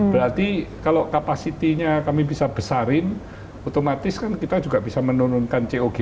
berarti kalau kapasitinya kami bisa besarin otomatis kan kita juga bisa menurunkan cog